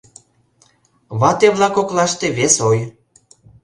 Вате-влак коклаште вес ой: